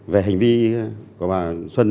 về hành vi của bà xuân